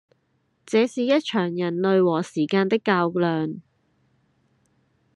這是一場人類和時間的較量